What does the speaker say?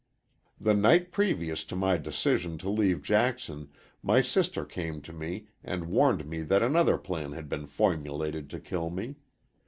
"The night previous to my decision to leave Jackson my sister came to me and warned me that another plan had been formulated to kill me.